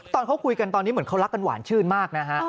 ตอนเขาคุยกันตอนนี้เหมือนเขารักกันหวานชื่นมากนะฮะ